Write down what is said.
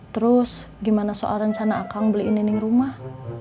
terus gimana soal rencana akang beliin nining rumah